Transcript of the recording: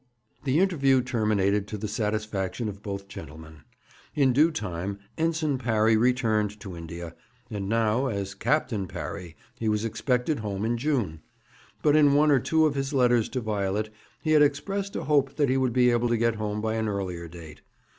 The interview terminated to the satisfaction of both gentlemen. In due time, Ensign Parry returned to India, and now, as Captain Parry, he was expected home in June; but in one or two of his letters to Violet he had expressed a hope that he would be able to get home by an earlier date.